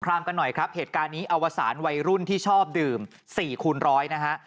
รามกันหน่อยครับเหตุการณ์นี้อวสารวัยรุ่นที่ชอบดื่ม๔คูณร้อยนะฮะ